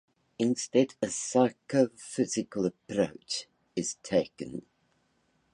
Instead, a psychophysical approach is taken.